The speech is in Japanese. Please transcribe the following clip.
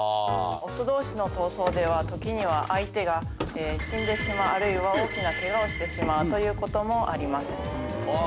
雄どうしの闘争では、ときには相手が死んでしまう、あるいは大きなけがをしてしまうということもあります。